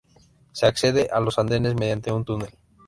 Se accede a los andenes mediante un túnel.